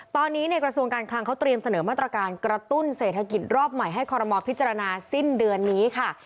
ตอนนี้ในกระทรวงการคลังเขาเตรียมเสนอมาตรการกระตุ้นเศรษฐกิจรอบใหม่ให้คอรมอลพิจารณาสิ้นเดือนนี้ค่ะ